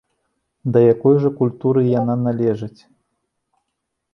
Да якой жа культуры яна належыць?